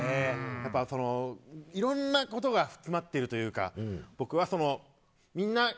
やっぱいろんなことが詰まってるというか僕はそのみんな。